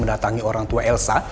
mendatangi orang tua elsa